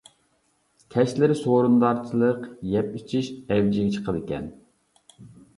كەچلىرى سورۇندارچىلىق، يەپ ئىچىش ئەۋجىگە چىقىدىكەن.